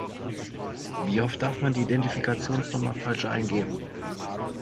Wie oft darf man die Identifikationsnummer falsch eingeben?